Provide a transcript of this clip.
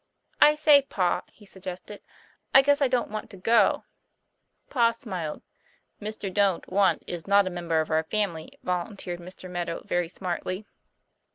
"I say, pa," he suggested, "I guess I don't want to go." Pa smiled. "Mr. Don't Want is not a member of our family," volunteered Mr. Meadow very smartly.